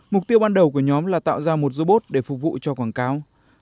mục tiêu ban đầu của nhóm là tạo ra một robot để phục vụ cho quảng cáo